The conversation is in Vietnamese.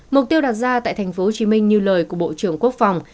mục tiêu đặt ra tại tp hcm như lời của bộ trưởng quốc phòng